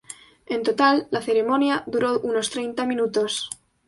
En total, la ceremonia duró unos treinta minutos.